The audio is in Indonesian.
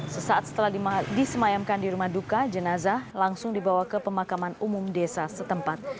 sesaat setelah disemayamkan di rumah duka jenazah langsung dibawa ke pemakaman umum desa setempat